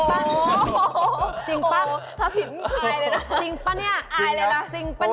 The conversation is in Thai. จริงป่ะถ้าผิดอายเลยนะจริงป่ะเนี่ย